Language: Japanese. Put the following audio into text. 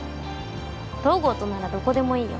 東郷とならどこでもいいよ